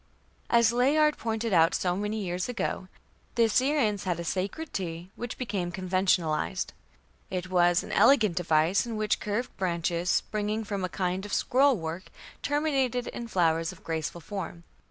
As Layard pointed out many years ago, the Assyrians had a sacred tree which became conventionalized. It was "an elegant device, in which curved branches, springing from a kind of scroll work, terminated in flowers of graceful form.